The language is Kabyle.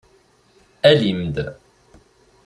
Alim-d!